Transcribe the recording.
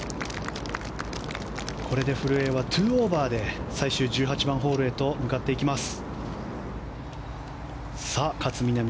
これで古江は２オーバーで最終１８番ホールへと向かっていきます。